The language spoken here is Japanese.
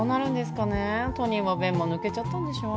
トニーもベンも抜けちゃったんでしょ？